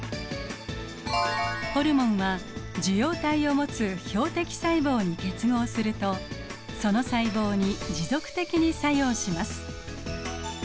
ホルモンは受容体を持つ標的細胞に結合するとその細胞に持続的に作用します。